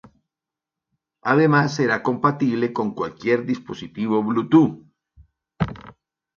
Además será compatible con cualquier dispositivo Bluetooth.